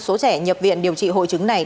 số trẻ nhập viện điều trị hội chứng này